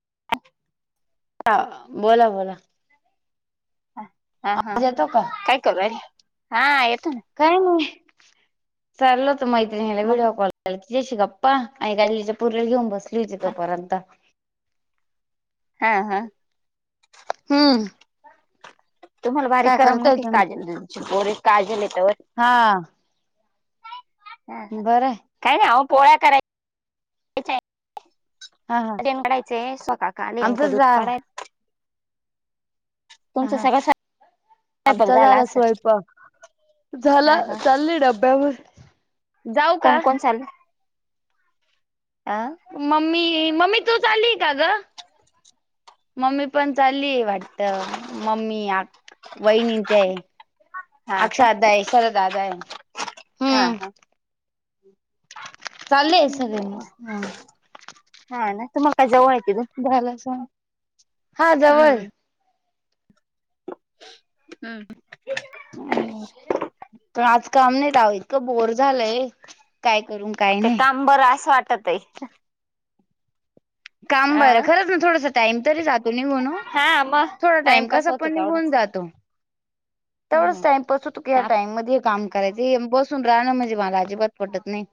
[inaudible] आ बोला बोला. हा. हा हा आवाज येतो का? काय करू राहीली हा येतो ना. काय नाही चालल होत मैत्रिणीला मग व्हिडिओ कॉल तिच्याशी गप्पा आणि काय इच्या पूरीला घेऊन बसली होती तोपर्यंत. हा हा. हम्म. तुम्हाला बारी काय करताय करमनुकी [unintelligible] तुम्ही? काजल बोरे काजलाय तवर. हा. ह ह बरं आहे काय ना अव पोळ्या कराय हा हा कडायचंय [unintelligible] स्वका कालेमक आमचं दूध जा कडायच. तुमचं हा सगळ संप आमचा झाला स्वयंपाक झाला हा हा चालली डब्यावर. जाऊ कोण का? कोण चाललय आं. मम्मी मम्मी तू चाली का ग. मम्मी पण चाललीय वाटत मम्मी याक वईनिंतेय. हा का अक्षधाय शरदा दाय हा हम्म. हा चाले आहे सगळे म ह. हा ना तुम्हाला काय जवळ आहे तिथून झाला स हा जवळ हम्म हम्म बर पण आज काम नाही दव इतकं बोर झालंय. काय करून काही नाही. ंबर असं वाटत आहे. काम बरं अं, खरंच ना थोडस टाइम तरी जातो निघण हा मग थोडा टाइम टाइमपास कसा होतो पण निघून तेवढाच जातो. तेवढच हम्म टामपसू तू ह्या ताप. टाईमध्येम करायची बसून राहं म्हणजे मला अजिबात पटत नाही.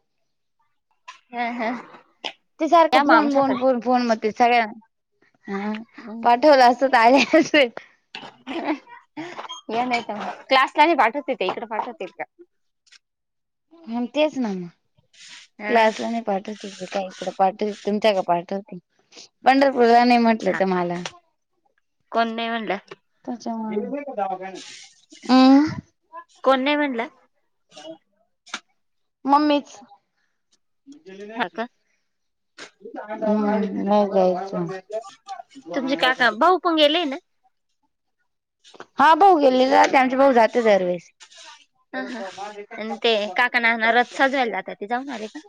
हम हा ते सारखं या मा फोन फोन आमच्याकडे फोन फोन म सगळ्यांना ह हं, पाठवलं अस आ या नाही का म क्लासला नाही पाठवत येते इकड पाठवतील का हम तेच ना ना हा क्लासला नाही पाठवते ते काहीकडे पाठवते तुमच्या का पाठवते. पंढरपूरला नाही म्हटले तर मला कोण नाही म्हणलं. त्याच्यामुळे कोण नाही म्हणलं. ह मम्मीच हा का ह तुमचे काका भाऊ पण गेलेय ना हा भाऊ गेलेले आमचे भाऊ जाते दरवेळेस. ह हा आणि ते काकणहणार रत सजवायला जातात ते जाऊन आले का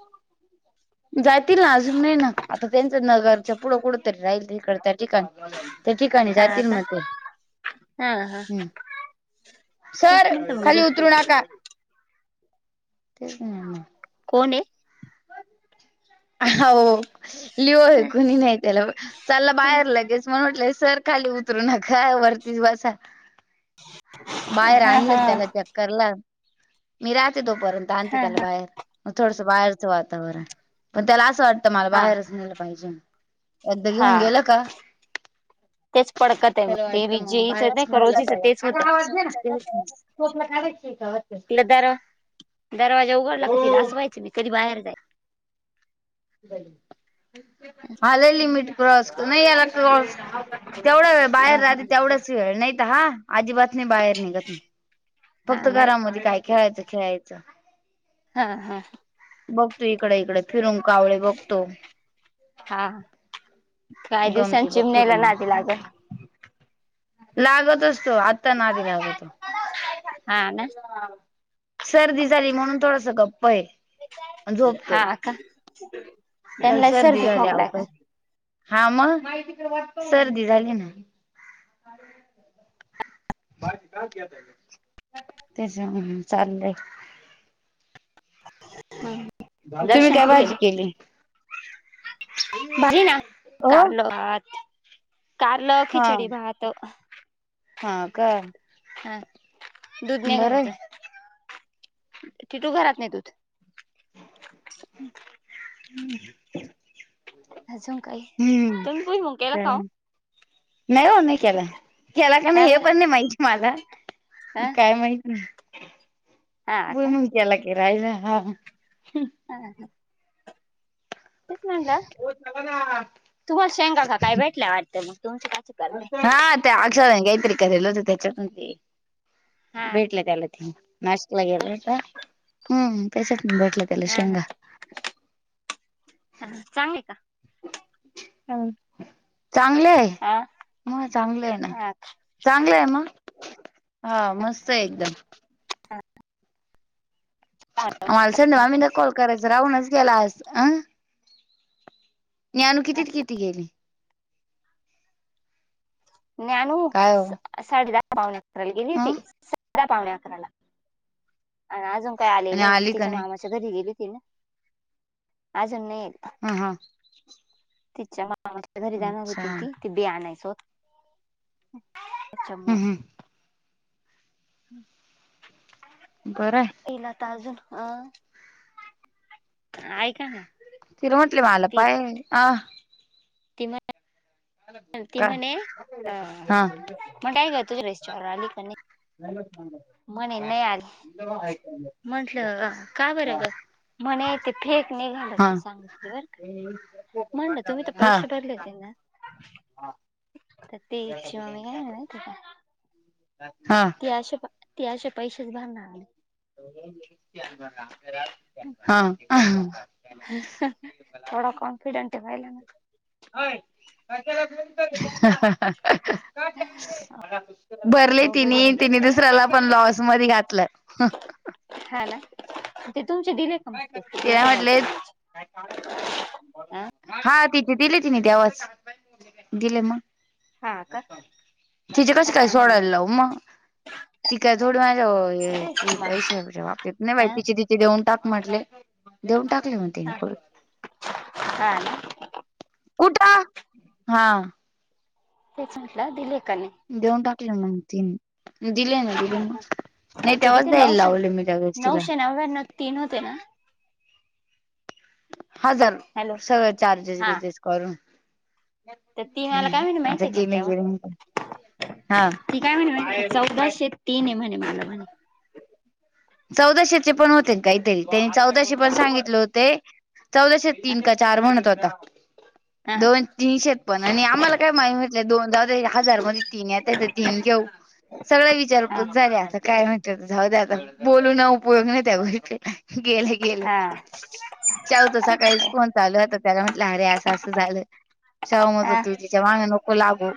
जाततील ना अजून नाही ना आता त्यांच नगरच्या पुढं पुुढं तरी राहील तिकड त्या ठिकाणी त्या ठिकाणी हा जातील का मग ते हा हा हम् तेच सर म्हणत मग खाली उतरू नका. तेच नाही कोण आहे हो लिओ आहे कुणी नाही त्याला चालला हा बाहेर लगेच मण म्हटलंय सर खाली उतरू नका वरतीच बसा. बाहेर हा आणलं त्याला हा चक्करला मी राहते तोपर्यंत आणते हा त्याला बाहेर. मग थोडसं बाहेरचं वातावरण पण त्याला असं वाटतं मला हा बाहेरच नेलं पाहिजे. एकदा हा घेऊन गेलं का तेच पडकत आहे मग चला ते वाटत मग जेईच बाहेच नाही का म्हट रोजीच तेच का? होतं गाव ना तो आपल्या काचका वाते तिला दर दरवाजा उघडला कतील असवायचे मी कधी बाहेर जायच. हले लिमिट क्रॉस कर नाही याला क्रॉस तेवढा वेळ ह बाहेर राहते तेवढाच वेळ नाही तर हा आजीबात नाही बाहेर निघत. हा फक्त ना घरामध्ये काय खेळायचं खेळायचं. हा हा बघतो इकडे इकडे फिरुून कावळे बघतो. हा काही दिवसांनी गमती बघतो चिमण्याला रम नादी लागल लागतच तो आत्ता ना आधी लागतो. हो सर्दी झाली म्हणून थोडस गप्प आहे. हा झोपतोय का काल त्यांना सर्दी झाली खोकला आहे का अवकाश हा मग सर्दी झाली ना तेच चाललंय. तुम्ही दर्शन काय कुठे गेले भाजी केली. भरी ना हो काढलो आात कारले हा खिचडी भात. हा का. हा दूध ने बरं घरात. आहे टीटू घरात ने दूध. हम्. हम्म. अजून काही? तुम्ही भुईमूग केेला काय का? नाही ओ नाही केला. केला का नाही काय हे बरं पण नाही माहिती मला अ काय माहित नाही? हा का भुईमूग केला की राहिला. हा. हा ह. तेच म्हणलं. तुम्हाला शेंगा का काय भेटल्या वाटत मग तुमच्या हा ते अक्षदा ने कायतरी करेल होत. त्याच्यातून ते हा भेटले त्याला. नाशिकला गेला होता? हम्म त्यासाठीच भेटला. हा ह ह चांगली का? चांगलं आहे. हा म चांगलं आहे ना. हा चांगलं आहे मग हा मस्त आहे एकदम. खा मला संध्या मामीना कॉल करायच राहूनच गेला आज अं. ज्ञानू कितीत किती गेली? ज्ञानू काय हो साडेदहा पावणे अकराला गेली होती. ह साडेदहा पावणे अकराला आणि अजून काही आली नाही तिच्या मामा घरी गेली ती ना आजून नाही. हम्म हम्म. तिच्या मामाच्या घरी जाणार अच्छा होती ती. ती बी आणायच होत. अच्छ म हम् हम् हम्. बरं आहे. येला तर अजून अ ऐका ना. तिर म्हटली मला ती पाय अ ती म्हण अ. ते म्हने अ म्हटाय गतोच रेस्टॉर अलीकणे म्हणे नाही आले. म्हंटलं का बरं ग? म्हण ते फेक निघाल हा हा ती सांग बर का म्हणलं तुम्ही तर पैसे भरले होते ना. हा. तेजस ची मम्मी काय म्हणे माहिती का हा ती अशा ते असे पैसेच भरणार. हा. केवढा कॉन्फिडेंट आहे पाहिलं? हा हा. भरले अवघड तिने आहे बाई तिने दुसऱ्याला पण लॉस मध्ये घातलं. हा ना ते तुमचे दिने तिला म्हटले. हा तिचे दिले तिनी तेव्हाच. दिले. हा का तिचेे कसे काय हा हा सोडायला लाऊ? मग. ती काय थोड माझ्या तेच ती मग पैशा बाबतीत नाही बाई हा तिची ते देऊन टाक म्हटले देऊन टाकले म्हणते. हा हा. कुठं? हा. तेच म्हटलं दिलेकाने देऊन टाकले मग तीन दिले ना हा दिले ना हा नाही तेव्हाच दयला लावले मी त्या गस् तिला ना न तीन होते ना हजार हॅलो सगळं चार्जेस हा बिजेस करून तर ती मला काय म्हण आता माहती आहेय का गेले गेले तेव्हा हा ती काय म्हणे मा चौदाशे तीन आहे म्हणे मला म्हणे चौदाशेचे पण होते काहीतरी त्यांनी चौदाशीे पण सांगितले होते चौदाशे तीन का चार म्हणत होता हा दोन तीनशेेत पण आणि आम्हाला काय माहि म्हटलंय दोन जा हजार मध्ये तीन येतेत तीन घेऊ सगळ हा विचारपूत झाले आता काय म्हहतीय जाऊ द आता बोलू ना उपयोग नाही त्या गोष्टीला गेलं गेलं हा चालत सकाळीच कोण चालू आत त्याला म्हंटलं अरे असं असं झालं शवमत हो हा तू तिच्या माग नको लागू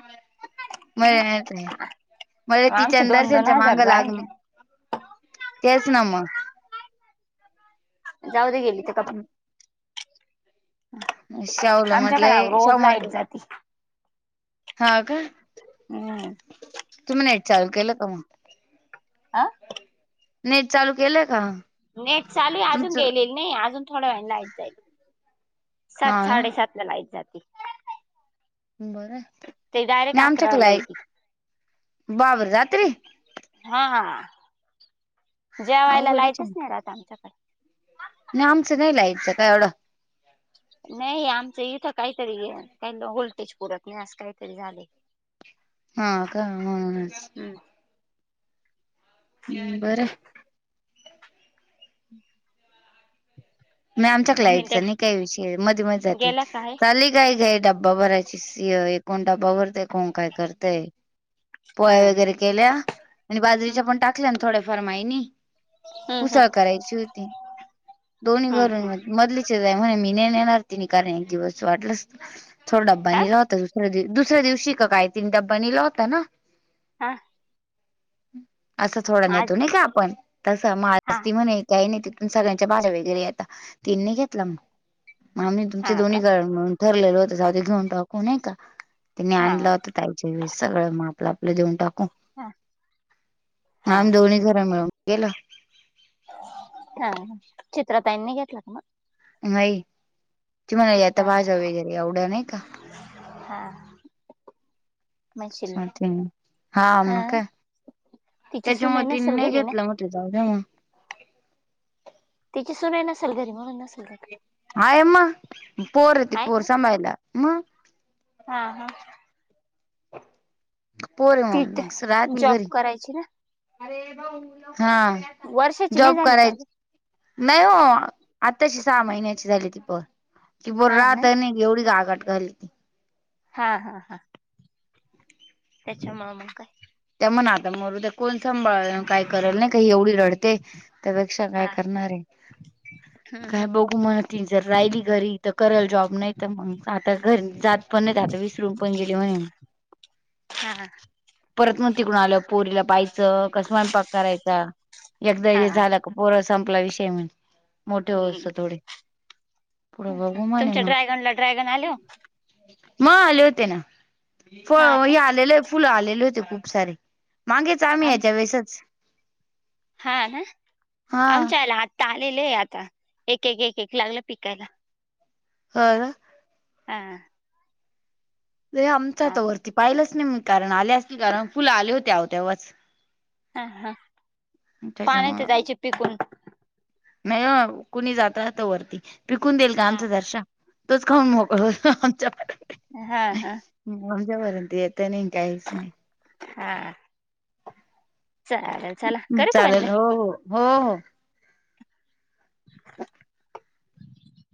मच आहे मज तिच्या आमचे दोन दोन दर्शनच्या मांग हजार लाग राहिले तेच ना म जाऊ द गेली तर काप शावल आमच्याकडे म्हटलय शाव रोज लाईट मात जाती हा का हम्म तुम्ही नट चालू केलं का मग आह नेट चालू केलंय का नाहीे चालू अजून तुमचं गेलेल नाही अजून थोड्या वेळानं यच जाईल हा सात साडेसात लाईच जाते बरं ते डायरेक्ट नाही आमच्याकला अकराला येते बाबर रात्री हा हा जेवायला अवघडच लाइटच आहे. नाही रात आमच्याकडे नाही आमचं नाही लाईट च काय एवढं नाही आमचं इथं काहीतरी काही व्होल्टेज पुरत नाही आज काहीतरी झाले [unintelligible] हा का हम् हम्म बरं हम् नाय आमच्या क्लाईटचा तर नाही काही विषय मध्ये मध्ये जाती गेला काय चाले काय काय डब्बा भरायची स कोण डब्बा भरतय कोण काय करतय हा पोळ्या हा वगैरे केल्या आणि हम्म बाजरीच्या पण टाकल्या थोड्याफार माईनी हम्म उसळ करायची होती दोन्ही हम्म घरून मधलीचच आहे म्हणे मी न नेणार तिने कारण एक दिवस वाटलंस थोडा डबा हा निला होता दुसऱ्या दिव दुसऱ्या दिवशी काय तीन डबा निला होता ना हा असं थोडा आज नेतो नाही का आपण तसं म हा ती म्हणे काही नाही तिथून सगळ्यांच्या भाज्या व आता तिननी घेतला मग मी तुमचे हा का दोन्ही क ठरलेलं होत जा ते घेऊन टाकूनय का तनी हा आणलं होता सगळं मग आपलं आपलं देऊन टाकू हा मग हा आम दोन्ही घर मिळून केला हा चित्र ताईनी घेतला का मग नाही तुमला आता हा भाजा वगैरे एवढं नाही का हा म्हणशील हा मग का तिची सुनई त्याच्यामुळे त नसेल नाही घरी ना घेतलं मग जा का म तिची सुनई नसेल घरी म्हणून नसेल घेतला हायम्मा पोर य त आहे पोर का सांमाायला. म हा हा पोर ती मग रातली जॉब घरी करायची ना हा वर्षाची नाही जॉब झाली का करायच. अजून नाही हो आताची सहा महिन्याची झाली ती प की बोल हा ना राहत आणि एवढीच आघाठ घाली ती हा हा हा त्याच्या मामा काय त्या मणा आता मर ते कोण सांभाळ काय करल नाही काही एवढी रडत. ते त्यापेक्षा काय हा करणार आहे हम्म काय हम्म ब ुमण जर राहिली घरी तर कल जॉब नाही तर मग आता घरी जात पण नाही. विसरून पण गेली हो. हा ह परत मग तिकडून आलं पोरीला पाहायचं कसमय पाक करायचा एकदा हा हे झालं. पोर संपला विषय म्हण मोठे हो हम्म असत थोडे पुढे बघू तुमच्या ड्रॅगन ला ड्रॅगन आले.. म आले होते ना फळ हा का हे आलेले फुलं आलेले होते. खूप सारे मागेच आम्ही याच्या आमच्या वेळेसच हा ना हा आमच्या आला आत्ता आलेले आहे आता एक एक एक एक लागलं पिकायला. होा ना हं र आमचा तर वरती पाहिलंच नाही मी कारण आले असतील कारण फुलं आले होतेहो तेव्हाच हा हा पान य ते त्याच्यामुळ जायचे पिकून नाही कुणी जातत वरती पिकून देईल का हा आमचं ना. दर्श तोच खान मोकळ हो आमच्या हा हा हम आमज्यापर्यंत येत नाही काहीच नाही. हम चला करू का बंद चालेल हो हो हो हो [unintelligible]